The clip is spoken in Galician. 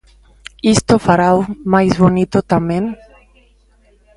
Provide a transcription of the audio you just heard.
Isto farao máis bonito tamén.